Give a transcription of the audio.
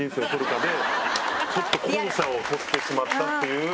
ちょっと後者をとってしまったという。